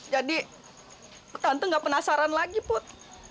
jadi tante nggak penasaran lagi put